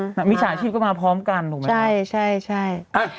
ใช่มีสถาชีพเข้ามาพร้อมกันถูกไหมคะพี่ว่าใช่